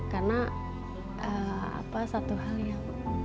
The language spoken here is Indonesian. karena satu hal yang